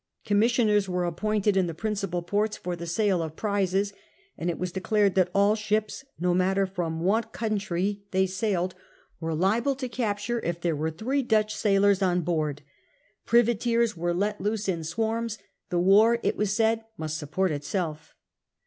Commissioners were appointed in the prin cipal ports for the sale of prizes ; and it was declared that all ships, no matter from what country they sailed, were liable to capture if there were three Dutch sailors on board. Privateers were let loose in swarms ; the war, it was said, must support itself.